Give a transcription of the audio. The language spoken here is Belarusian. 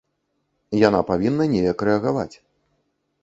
Яна павінна неяк рэагаваць.